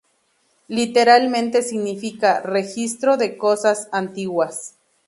Literalmente significa ‘registro de cosas antiguas’.